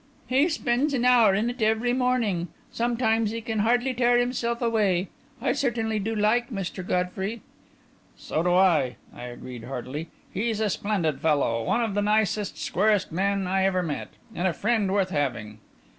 "He spends an hour in it every morning. Sometimes he can hardly tear himself away. I certainly do like Mr. Godfrey." "So do I," I agreed heartily. "He's a splendid fellow one of the nicest, squarest men I ever met and a friend worth having."